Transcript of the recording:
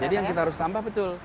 yang kita harus tambah betul